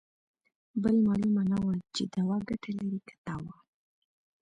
بل مالومه نه وه چې دوا ګته لري که تاوان.